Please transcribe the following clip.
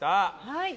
はい。